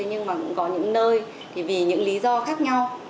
nhưng mà cũng có những nơi thì vì những lý do khác nhau